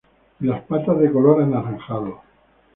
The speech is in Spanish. Y las patas de color anaranjado.